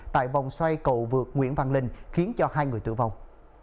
tại vòng xoay cầu vượt nguyễn văn linh khiến cho hai người tử vong